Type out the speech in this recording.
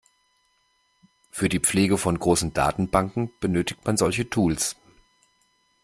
Für die Pflege von großen Datenbanken benötigt man solche Tools.